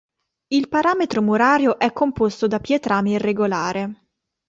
Il paramento murario è composto da pietrame irregolare.